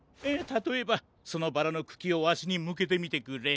たとえばそのバラのくきをわしにむけてみてくれ。